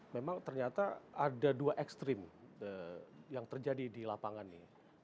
memang ternyata ada dua ekstrim yang terjadi di lapangan ini